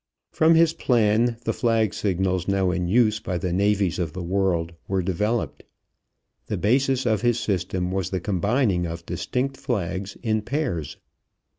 From his plan the flag signals now in use by the navies of the world were developed. The basis of his system was the combining of distinct flags in pairs.